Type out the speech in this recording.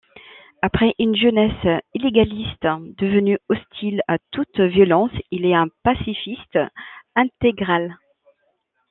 Après une jeunesse illégaliste, devenu hostile à toute violence, il est un pacifiste intégral.